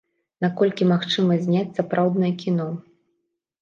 Наколькі магчыма зняць сапраўднае кіно?